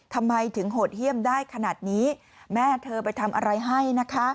ทำไมถึงโหดเยี่ยมได้ขนาดนี้แม่เธอไปทำอะไรให้นะคะ